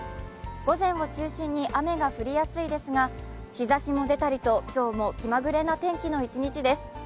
午前を中心に雨が降りやすいですが日ざしも出たりと今日も気まぐれな天気の一日です。